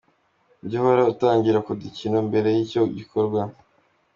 Jya uhora utangirira ku dukino mbere y’icyo gikorwa .